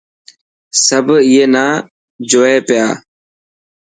سڀ اي نا جوئي پيا.